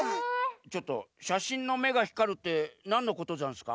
ちょっとしゃしんのめがひかるってなんのことざんすか？